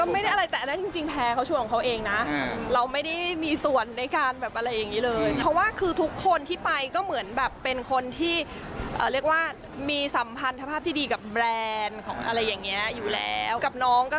ไม่ถามไม่ได้มีการแนะนำสำหรับพ่อคุณครั้งกลาง